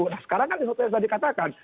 nah sekarang kan seperti yang tadi katakan